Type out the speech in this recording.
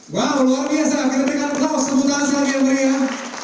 hai wow luar biasa ketika kau sebutan saja maria